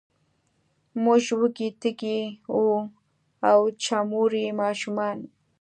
موږ وږې، تږې او، وچموري ماشومان